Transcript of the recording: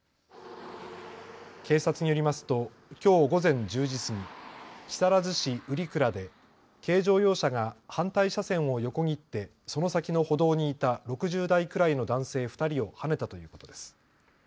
警察によりますときょう午前１０時過ぎ、木更津市瓜倉で軽乗用車が反対車線を横切ってその先の歩道にいた６０代くらいの男性２人をはねたということです。